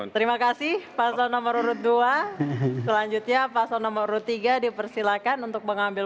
terima kasih fasal nomor urut dua selanjutnya fasal nomor urut tiga dipersilakan untuk mengambil